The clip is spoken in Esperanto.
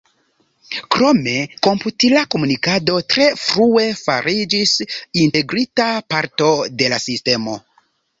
Krome komputila komunikado tre frue fariĝis integrita parto de la sistemo.